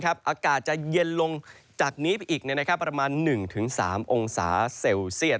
อากาศจะเย็นลงประมาณ๑๓องศาเซลเซียต